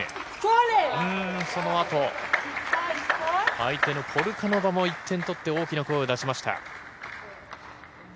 相手のポルカノバも１点取って大きな声を出しました。